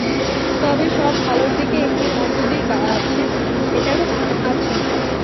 তবে সব ভালো দিকের যেমন মন্দ দিক আছে -এটারও আছে।